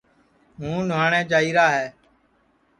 ہُوں نھُاٹؔیں جائیرا ہے